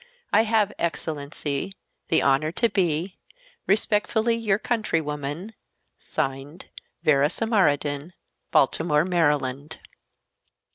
I have, Excellency, the honor to be, Respectfully, your countrywoman, (Signed) VERA SAMARODIN, Baltimore, Maryland.